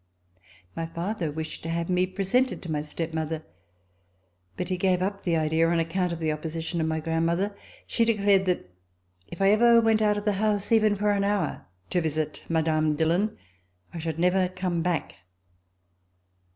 My father wished to have me presented to my stepmother, but he gave up the idea on account of the opposition of my C25] RECOLLECTIONS OF THE REVOLUTION grandmother. She declared that if I ever went out of the house, even for an hour, to visit Mme. Dillon, I should never come back.